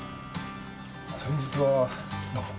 先日はどうも。